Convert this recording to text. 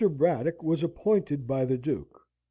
Braddock was appointed by the Duke.